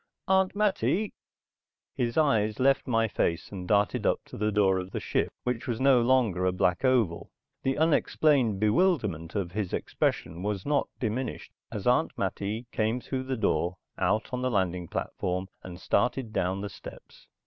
Aunt Mattie...." His eyes left my face and darted up to the door of the ship which was no longer a black oval. The unexplained bewilderment of his expression was not diminished as Aunt Mattie came through the door, out on the loading platform, and started down the steps.